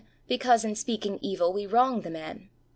Because in speaking evil we wrong the man.